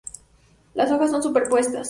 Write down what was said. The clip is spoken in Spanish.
Las hojas son superpuestas.